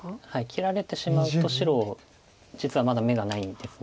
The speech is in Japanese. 切られてしまうと白実はまだ眼がないんです。